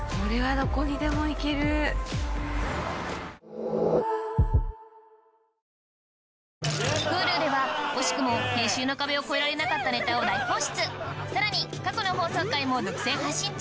本麒麟Ｈｕｌｕでは惜しくも編集の壁を越えられなかったネタを大放出さらに過去の放送回も独占配信中